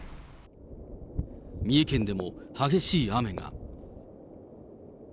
三重県でも激しい雨が。